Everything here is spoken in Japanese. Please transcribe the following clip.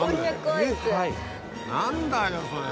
何だよそれ！